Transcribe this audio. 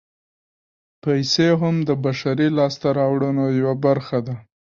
پیسې هم د بشري لاسته راوړنو یوه برخه ده